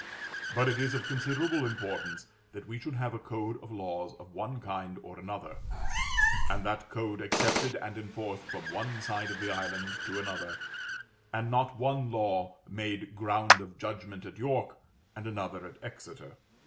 But it is of considerable importance that we should have a code of laws of one kind or another, and that code accepted and enforced from one side of the island to another, and not one law made ground of judgment at York and another in Exeter.